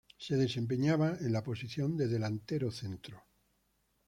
Se desempeñaba en la posición de delantero centro.